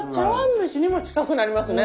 蒸しにも近くなりますね。